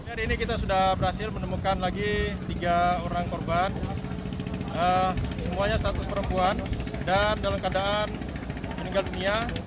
hari ini kita sudah berhasil menemukan lagi tiga orang korban semuanya status perempuan dan dalam keadaan meninggal dunia